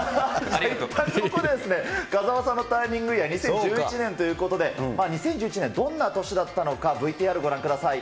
ありがここで、風間さんのターニングイヤー、２０１１年ということで、２０１１年、どんな年だったのか、ＶＴＲご覧ください。